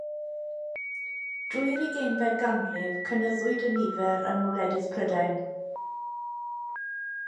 Drwy'r ugeinfed ganrif cynyddwyd y nifer yng ngwledydd Prydain.